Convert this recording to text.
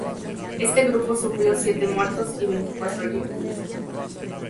Este grupo sufrió siete muertos y veinticuatro heridos.